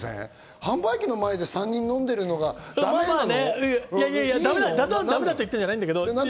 販売機の前で３人飲んでるのがダメなの？